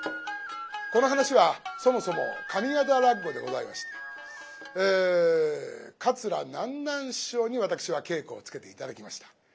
この噺はそもそも上方落語でございまして桂南なん師匠に私は稽古をつけて頂きました。